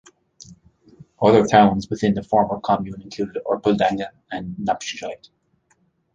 Other towns within the former commune include Erpeldange and Knaphoscheid.